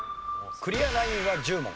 クリアラインは１０問。